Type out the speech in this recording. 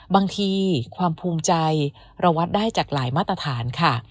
บางทีความภูมิใจเราวัดได้จากหลายมาตรฐานค่ะ